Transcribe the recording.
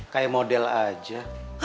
kayak model aja